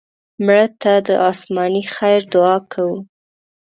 مړه ته د آسماني خیر دعا کوو